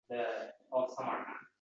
Tergov harakatlari davom ettirilmoqda.